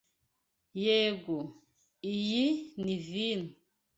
Yego, iyi ni vino.